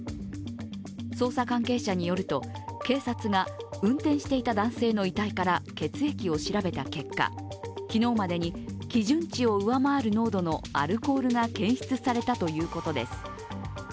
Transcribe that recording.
捜査関係者によると警察が運転していた男性の遺体から血液を調べた結果、昨日までに基準値を上回る濃度のアルコールが検出されたということです。